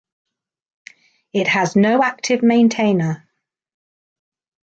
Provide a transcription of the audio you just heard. It has no active maintainer.